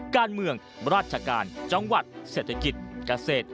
การเมืองราชการจังหวัดเศรษฐกิจเกษตร